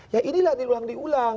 ya inilah diulang diulang